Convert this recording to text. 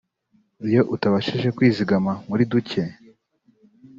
iyo utabashije kwizigama muri duke